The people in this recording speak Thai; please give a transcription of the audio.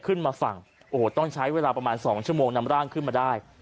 ขึ้นมาฝั่งโอ้โหต้องใช้เวลาประมาณสองชั่วโมงนำร่างขึ้นมาได้